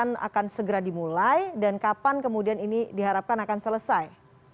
ini kemudian akan segera dimulai dan kapan kemudian ini diharapkan akan selesai